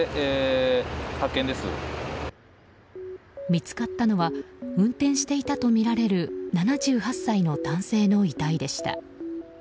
見つかったのは運転していたとみられる７８歳の男性の遺体でした。